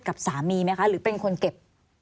กับสามีไหมคะหรือเป็นคนเก็บ